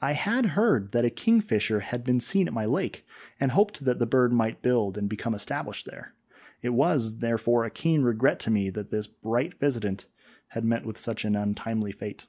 I had heard that a kingfisher had been seen at my lake, and hoped that the bird might build and become established there; it was, therefore, a keen regret to me that this bright visitant had met with such an untimely fate.